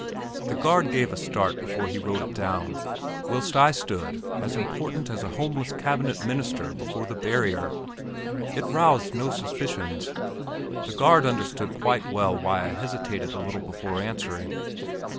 The guard gave a start before he wrote it down, whilst I stood as important as a homeless Cabinet Minister before the barrier. It roused no suspicions. The guard understood quite well why I hesitated a little before answering.